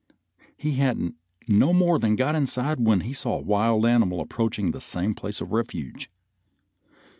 He hadn't no more than got inside when he saw a wild animal approaching the same place of refuge.